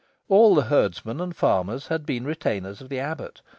All the herdsmen and farmers had been retainers of the abbot.